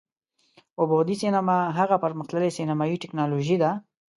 اووه بعدی سینما هغه پر مختللې سینمایي ټیکنالوژي ده،